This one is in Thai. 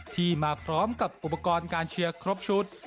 ที่มาพร้อมกับอุปกรณ์การเชียร์ครบชุด